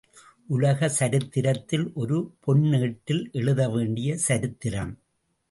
உலக சரித்திரத்தில் ஒரு பொன் ஏட்டில் எழுதவேண்டிய சரித்திரம்.